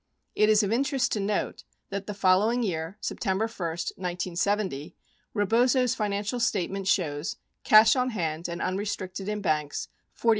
It is of interest to note that the following year, Septem ber 1, 1970, Rebozo's financial statement shows "Cash on hand and un restricted in banks, $44,691.